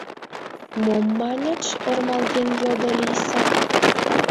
— Мом маньыч? — ӧрмалген йодо Лийса.